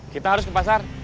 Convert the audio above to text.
kita harus ke pasar